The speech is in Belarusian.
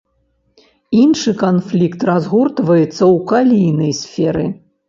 Іншы канфлікт разгортваецца ў калійнай сферы.